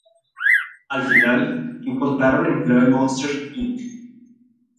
Al final, encontraron empleo en Monsters, Inc.